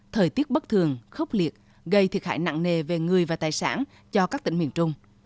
thời tiết bất thường khốc liệt gây thiệt hại nặng nề về người và tài sản cho các tỉnh miền trung